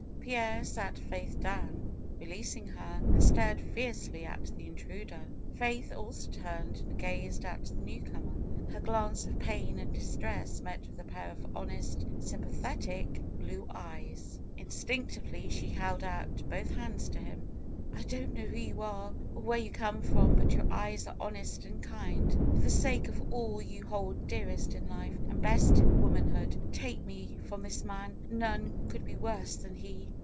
Pierre sat Faith down, releasing her, and stared fiercely at the intruder. Faith also turned and gazed at the newcomer. Her glance of pain and distress met with a pair of honest, sympathetic blue eyes. FAITH 265 Instinctively she held out both hands to him. "I don't know who you are, or where you come from ; but your eyes are honest and kind. For the sake of all you hold dearest in life and best in womanhood, take me from this man. None could be worse than he!"